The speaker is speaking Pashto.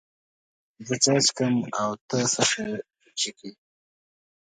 زه چای چکم، او ته څه شی چیکې؟